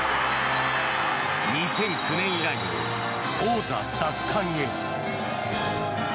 ２００９年以来の王座奪還へ。